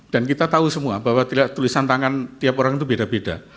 dan kita tahu semua bahwa tulisan tangan tiap orang itu beda beda